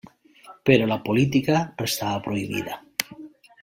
Però la política restava prohibida.